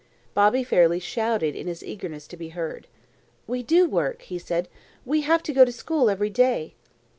Bobby fairly shouted in his eagerness to be heard. "We do work," he said. "We have to go to school every day."